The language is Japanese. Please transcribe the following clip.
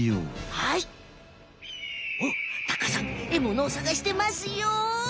おっタカさんえものをさがしてますよ。